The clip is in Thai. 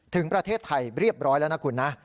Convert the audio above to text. ถึงประเทศไทยเรียบร้อยแล้วนะคุณนะ